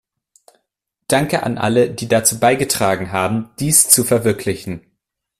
Danke an alle, die dazu beigetragen haben, dies zu verwirklichen.